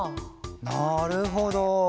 なるほど。